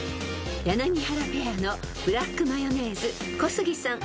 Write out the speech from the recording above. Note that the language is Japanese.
［柳原ペアのブラックマヨネーズ小杉さん